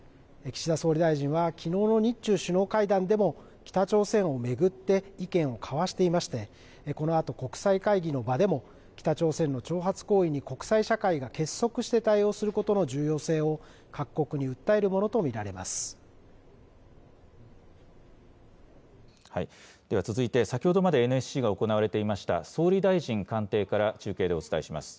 岸田総理大臣はきのうの日中首脳会談でも、北朝鮮を巡って意見を交わしていまして、このあと国際会議の場でも、北朝鮮の挑発行為に国際社会が結束して対応することの重要性を各国に訴えるものとでは続いて、先ほどまでＮＳＣが行われていました総理大臣官邸から中継でお伝えします。